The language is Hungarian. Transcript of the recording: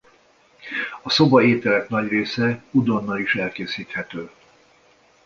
A szoba ételek nagy része udonnal is elkészíthető.